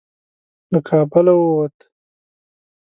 له کابله ووت.